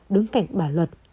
đứng cạnh bà luật